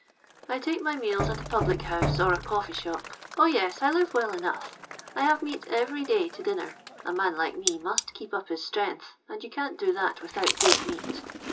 *• I take my meals at a public house or a coree shop. O yes, I live well enough. I have meat eviTy ray to t. inner : a n an like mo must keoj) up hi* Mrenv'th, and you can't do that withi.nt «;ood meat.